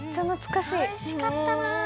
おいしかったな。